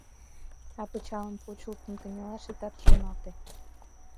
А пычалым кучылтын, кынелаш итат шоналте.